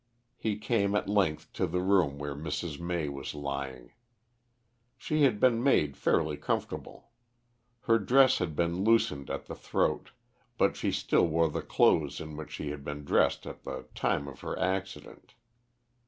He came at length to the room where Mrs. May was lying. She had been made fairly comfortable. Her dress had been loosened at the throat, but she still wore the clothes in which she had been dressed at the time of her accident.